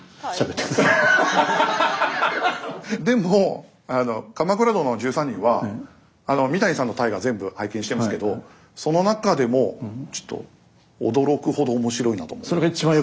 でも「鎌倉殿の１３人」は三谷さんの「大河」全部拝見してますけどその中でもちょっと驚くほど面白いなと。